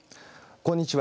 こんにちは。